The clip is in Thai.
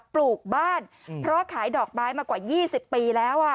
ปลูกบ้านเพราะขายดอกไม้มากว่า๒๐ปีแล้ว